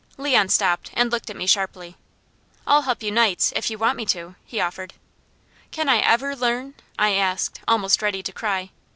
Leon stopped and looked at me sharply. "I'll help you nights, if you want me to," he offered. "Can I ever learn?" I asked, almost ready to cry.